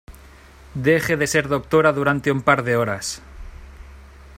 deje de ser doctora durante un par de horas